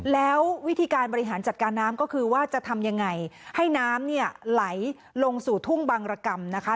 แล้ววิธีการบริหารจัดการน้ำก็คือว่าจะทำยังไงให้น้ำเนี่ยไหลลงสู่ทุ่งบังรกรรมนะคะ